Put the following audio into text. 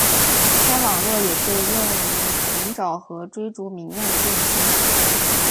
该网络也被用于寻找和追逐明亮的变星。